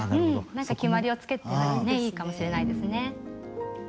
何か決まりをつけてもいいかもしれないですね。